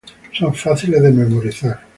Son fáciles de memorizar.